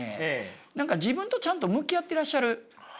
何か自分とちゃんと向き合ってらっしゃる。